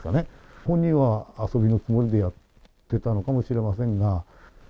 本人は遊びのつもりでやってたのかもしれませんが。